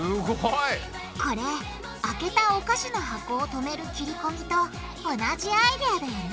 これ開けたおかしの箱をとめる切りこみと同じアイデアだよね